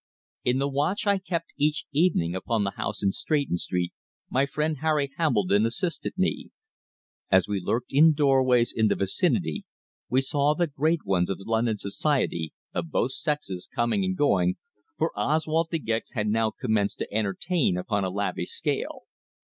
In the watch I kept each evening upon the house in Stretton Street my friend Harry Hambledon assisted me. As we lurked in doorways in the vicinity, we saw the great ones of London Society, of both sexes, going and coming, for Oswald De Gex had now commenced to entertain upon a lavish scale.